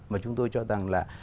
mà chúng tôi cho rằng là